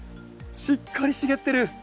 しっかり茂ってる。